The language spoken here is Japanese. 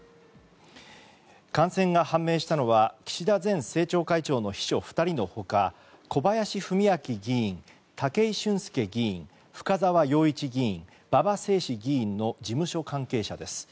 感染が判明したのは岸田前政調会長の秘書２人の他小林史明議員武井俊輔議員、深沢陽一議員馬場成志議員の事務所関係者です。